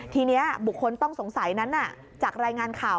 ทีนี้บุคคลต้องสงสัยนั้นจากรายงานข่าว